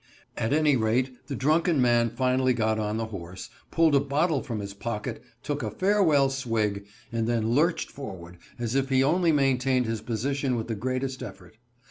At any rate, the drunken man finally got on the horse, pulled a bottle from his pocket, took a farewell swig, and then lurched forward as if he only maintained his position with the greatest effort.